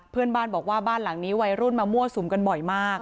เพื่อนบ้านบอกว่าบ้านหลังนี้วัยรุ่นมามั่วสุมกันบ่อยมาก